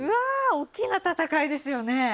おっきな戦いですよね。